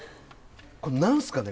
これ何すかね？